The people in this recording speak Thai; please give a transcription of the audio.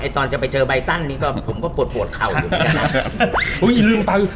ตอนจะไปเจอใบตันผมก็ปวดเข่าอยู่ด้วยกัน